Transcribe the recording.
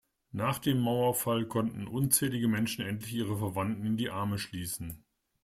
Nach dem Mauerfall konnten unzählige Menschen endlich ihre Verwandten in die Arme schließen.